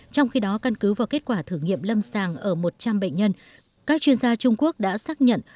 trong khi đó căn cứ vào kết quả thử nghiệm lâm sàng ở một trăm linh bệnh nhân các chuyên gia trung quốc đã xác nhận